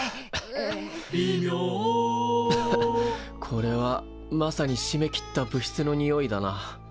これはまさに閉めきった部室のにおいだな。